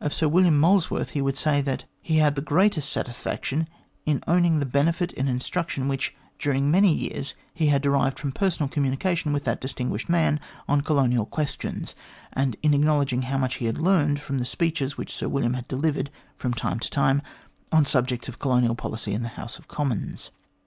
Of Sir William Molesworth he would say, that he had the greatest satisfaction in owning the benefit and instruction which, during many years, he had derived from personal communication with that distinguished man on colonial questions, and in acknowledging how much he had learned from the speeches which Sir William had delivered from time to time on subjects of colonial policy in the House of Commons.